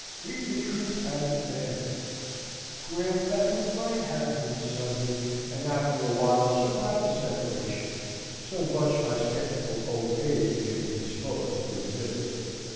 Be the truth as it may. Grant that we might have been sundered, and after a while survived the separation, so much my sceptical old age may be disposed to admit.